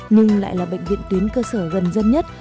nhưng lại là bệnh viện tuyến cơ sở gần dân nhất